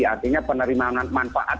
artinya penerimaan manfaat